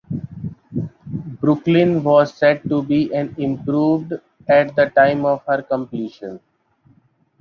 "Brooklyn" was said to be an improved at the time of her completion.